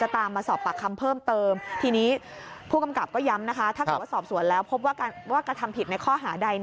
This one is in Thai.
ถ้าเกิดว่าสอบสวนแล้วพบว่ากระทำผิดในข้อหาใด